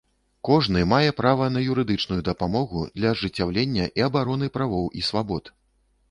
Кожны мае права на юрыдычную дапамогу для ажыццяўлення і абароны правоў і свабод.